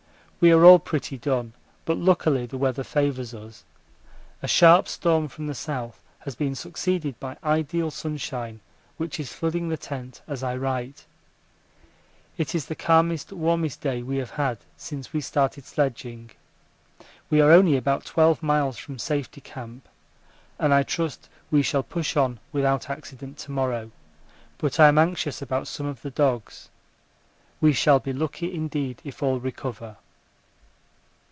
We are all pretty done, but luckily the weather favours us. A sharp storm from the south has been succeeded by ideal sunshine which is flooding the tent as I write. It is the calmest, warmest day we have had since we started sledging. We are only about 12 miles from Safety Camp, and I trust we shall push on without accident to morrow, but I am anxious about some of the dogs. We shall be lucky indeed if all recover.